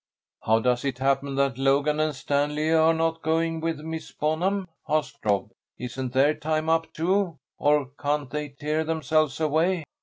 "How does it happen that Logan and Stanley are not going with Miss Bonham?" asked Rob. "Isn't their time up, too, or can't they tear themselves away?"